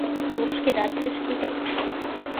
Лупшкедат пеш кидым.